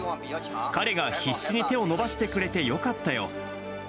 彼が必死に手を伸ばしてくれてよ